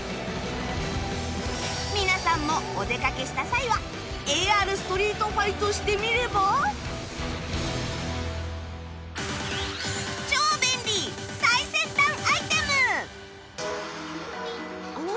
皆さんもお出かけした際は ＡＲ ストリートファイトしてみれば？何？